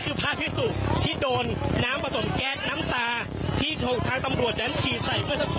แต่เหตุใดคุณผู้ชมครับ